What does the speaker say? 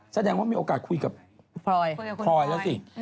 แสดงว่ามีโอกาสคุยกับพลอยแล้วสิ